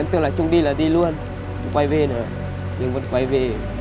em tưởng là chung đi là đi luôn quay về nữa nhưng vẫn quay về